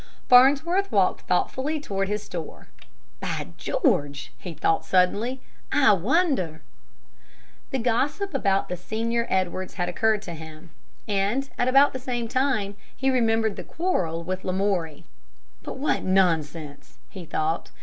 Farnsworth walked thoughtfully toward his store. "By George!" he thought suddenly. "I wonder " The gossip about the senior Edwards had occurred to him, and at the same time he remembered the quarrel with Lamoury. "But what nonsense!" he thought.